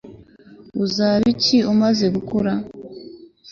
Uzaba iki umaze gukura